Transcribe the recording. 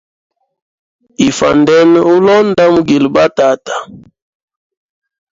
Ifwandene ulonda mugile batata.